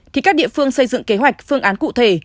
thì các địa phương xây dựng kế hoạch phương án cụ thể